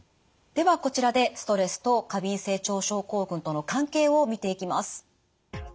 ではこちらでストレスと過敏性腸症候群との関係を見ていきます。